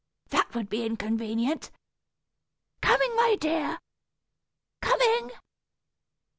That would be inconvenient. Coming, my dear, coming!"